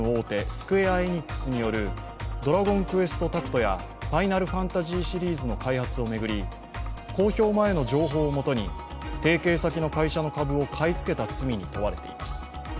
スクウェア・エニックスによる「ドラゴンクエストタクト」や「ファイナルファンタジー」シリーズの開発を巡り、公表前の情報をもとに提携先の会社の株を買い付けた罪に問われています。